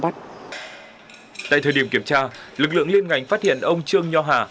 tại thời điểm kiểm tra lực lượng liên ngành phát hiện ông trương nho hà